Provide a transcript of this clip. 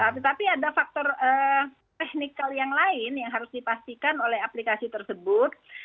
tetapi ada faktor technical yang lain yang harus dipastikan oleh aplikasi tersebut